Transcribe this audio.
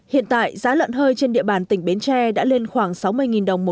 hiện tại giá lợn hơi trên địa bàn tỉnh bến tre đã lên khoảng sáu mươi đồng